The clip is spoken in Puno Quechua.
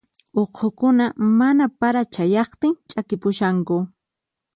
Uqhukuna mana para chayaqtin ch'akipushanku.